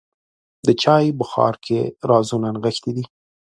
د چای بخار کې رازونه نغښتي دي.